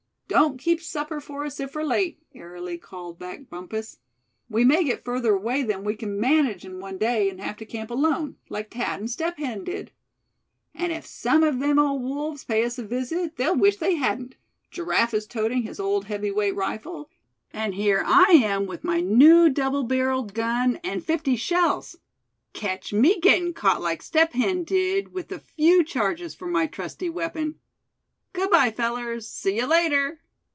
"Don't keep supper for us if we're late," airily called back Bumpus. "We may get further away than we can manage in one day, and have to camp alone, like Thad and Step Hen did. And if some of them old wolves pay us a visit, they'll wish they hadn't. Giraffe is toting his old heavy weight rifle; and here I am with my new double barreled gun, and fifty shells. Ketch me gettin' caught like Step Hen did, with a few charges for my trusty weapon. Good bye, fellers! See you later!"